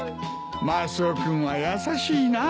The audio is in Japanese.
マスオ君は優しいなあ。